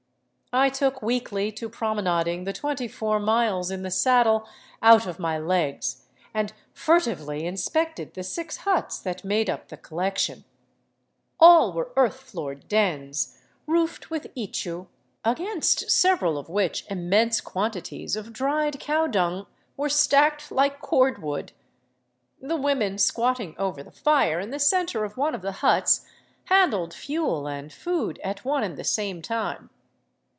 I took weakly to promenading the twenty four miles in the saddle out of my legs, and furtively inspected the six huts that made up the collection* All were earth floored dens, roofed with ichu, against several of whicb immense quantities of dried cow dung were stacked like cord wood^ The women squatting over the fire in the center of one of the huts handled fuel and food at one and the same time.